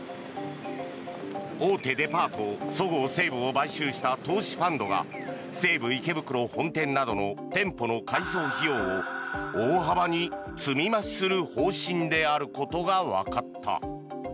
大手デパート、そごう・西武を買収した投資ファンドが西武池袋本店などの店舗の改装費用を大幅に積み増しする方針であることがわかった。